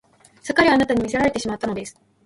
すっかりあなたに魅せられてしまったのです